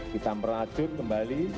kita merajut kembali